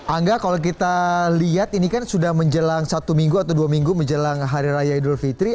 angga kalau kita lihat ini kan sudah menjelang satu minggu atau dua minggu menjelang hari raya idul fitri